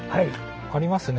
ありますね